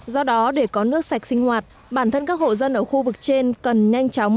do đó để có nước sạch sinh hoạt bản thân các hộ dân ở khu vực trên cần nhanh chóng